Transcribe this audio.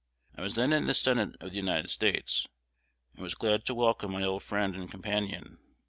I was then in the Senate of the United States, and was glad to welcome my old friend and companion.